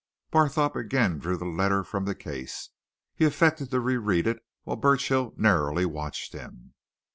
Barthorpe again drew the letter from the case. He affected to re read it, while Burchill narrowly watched him.